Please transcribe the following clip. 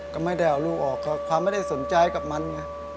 ก็ไม่ได้เอาลูกออกความไม่ได้สนใจกับมันไง